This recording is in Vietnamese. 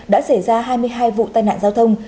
đã xảy ra hai mươi hai vụ tai nạn giao thông